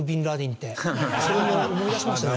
それを思い出しましたね。